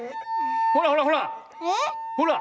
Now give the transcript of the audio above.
ほらほらほら！